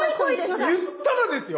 言ったらですよ